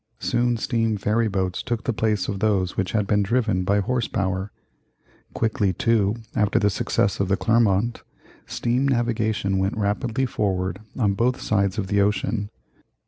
Soon steam ferry boats took the place of those which had been driven by horse power. Quickly, too, after the success of the Clermont, steam navigation went rapidly forward on both sides of the ocean.